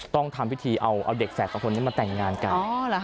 ต้องทำพิธีเอาเด็กแฝดกับคนนี้มาแต่งงานกัน